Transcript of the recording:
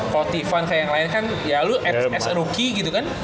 kalau tivan kayak yang lain kan ya lo as rookie gitu kan